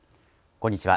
こんにちは。